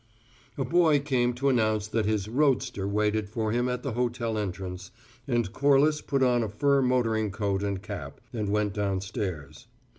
A boy came to announce that his "roadster" waited for him at the hotel entrance, and Corliss put on a fur motoring coat and cap, and went downstairs.